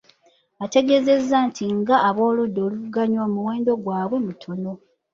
Ategeezezza nti ng'ab'oludda oluvuganya omuwendo gwabwe mutono .